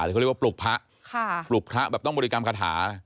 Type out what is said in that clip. เขาเรียกว่าปลุกพระปลุกพระแบบต้องบริกรรมคาถา